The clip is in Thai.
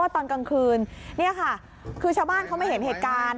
ตอนกลางคืนนี่ค่ะคือชาวบ้านเขาไม่เห็นเหตุการณ์